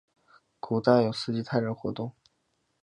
古代有斯基泰人活动。